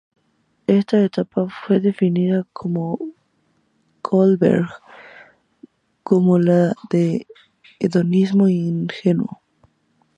Esta etapa fue definida por Kohlberg como la de "hedonismo ingenuo".